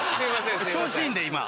調子いいんで今。